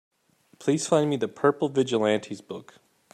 Please find me The Purple Vigilantes book.